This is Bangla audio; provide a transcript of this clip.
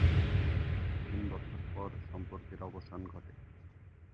তিন বছর পর সম্পর্কের অবসান ঘটে।